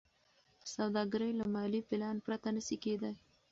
سوداګري له مالي پلان پرته نشي کېدای.